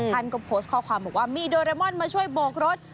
ท่านก็โพสต์ข้อความบอกว่ามีโดเรมอนมาช่วยโบกรถ